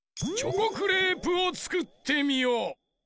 チョコクレープをつくってみよ！